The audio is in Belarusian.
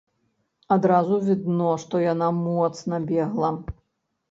Адразу відно, што яна моцна бегла.